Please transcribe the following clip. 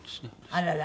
あらら。